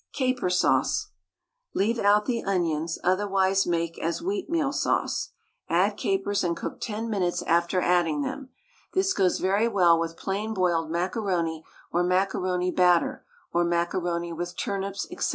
CAPER SAUCE. Leave out the onions, otherwise make as "Wheatmeal Sauce." Add capers, and cook 10 minutes after adding them. This goes very well with plain boiled macaroni, or macaroni batter, or macaroni with turnips, &c.